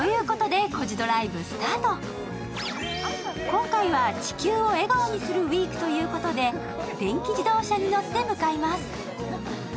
今回は「地球を笑顔にするＷＥＥＫ」ということで電気自動車に乗って向かいます。